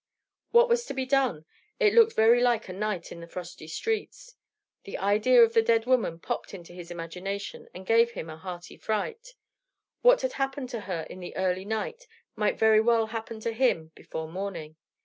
What was to be done? It looked very like a night in the frosty streets. The idea of the dead woman popped into his imagination, and gave him a hearty fright; what had happened to her in the early night might very well happen to him before morning.